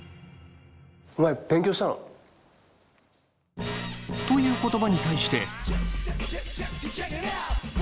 お前勉強したの？という言葉に対して。